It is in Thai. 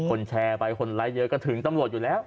คนแชร์ไปคนไลค์เยอะก็ถึงตำรวจอยู่แล้ว